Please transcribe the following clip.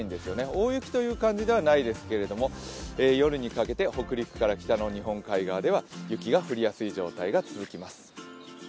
大雪という感じではないけれども、夜にかけて北陸から北の日本海側では雪が降りやすい状態が続きます。